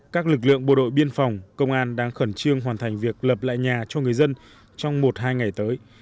các lực lượng bộ đội biên phòng công an đang khẩn trương hoàn thành việc lập lại nhà cho người dân trong một hai ngày tới